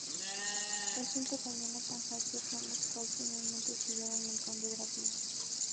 Él, junto con Jonathan Harker, son los que finalmente destruyen al Conde Dracula.